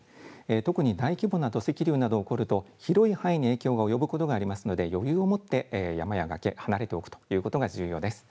特に大規模な土石流など起こると、広い範囲に影響が及ぶことがありますので、余裕を持って山や崖、離れておくということが重要です。